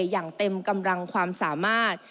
อย่างเต็มกำลังความสามารถ